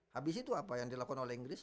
habis itu apa yang dilakukan oleh inggris